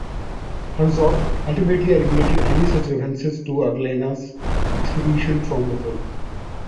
Herzog ultimately eliminated any such references to Orellana's expedition from the film.